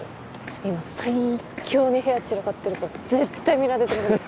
今最っ強に部屋散らかってるから絶対見られたくない。